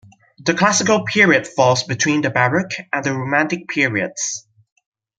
The Classical period falls between the Baroque and the Romantic periods.